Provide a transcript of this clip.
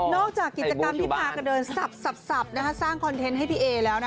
นอกจากกิจกรรมที่พากระเดินสับสับสับนะคะสร้างคอนเทนต์ให้พี่เอแล้วนะ